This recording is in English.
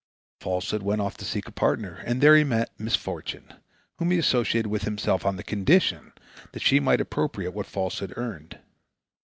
Falsehood went off to seek a partner, and he met Misfortune, whom he associated with himself on the condition that she might appropriate what Falsehood earned.